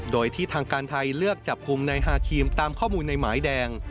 โดยที่ทางการไทยเลือกจับกลุ่มนายฮาครีมตามข้อมูลในหมายแดง